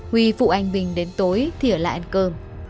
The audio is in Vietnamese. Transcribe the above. huy phụ anh bình đến tối thì ở lại ăn cơm